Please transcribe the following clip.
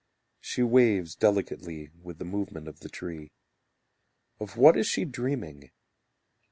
She waves delicately With the movement of the tree. Of what is she dreaming?